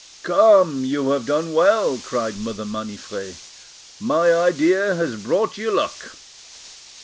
"Come, you have done well," cried Mother Maniffret; "my idea has brought you luck."